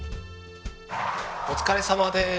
お疲れさまです。